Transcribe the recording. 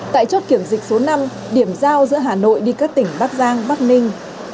tại chốt kiểm dịch số năm điểm giao giữa hà nội đi các tỉnh bắc giang bắc ninh